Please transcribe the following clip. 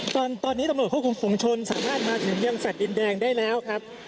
ตอนนี้ตำรวจควบคุมฝุงชนสามารถมาถึงยังแลตดินแดงได้แล้วครับ